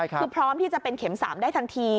คือพร้อมที่จะเป็นเข็ม๓ได้ทันที